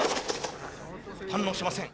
反応しません。